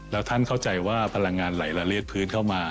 แล้วท่านเข้าใจว่าพลังงานไหลละเลียดพื้นเข้ามา